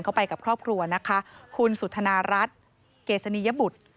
ก็ไปกับครอบครัวนะคะคุณสุธนารัฐเกษณียบุตร